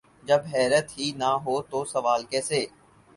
جب حیرت ہی نہ ہو تو سوال کیسے؟